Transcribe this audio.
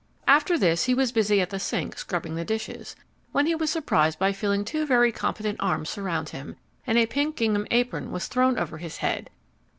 After this, he was busy at the sink scrubbing the dishes, when he was surprised by feeling two very competent arms surround him, and a pink gingham apron was thrown over his head.